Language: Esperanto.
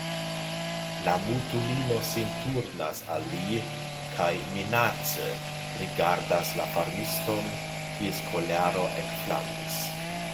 La mutulino sin turnas al li kaj minace rigardas la farmiston, kies kolero ekflamis.